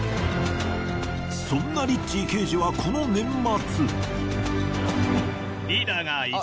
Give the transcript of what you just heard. そんなリッチー刑事はこの年末。